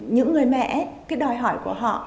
những người mẹ cái đòi hỏi của họ